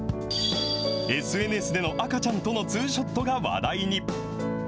ＳＮＳでの赤ちゃんとのツーショットが話題に。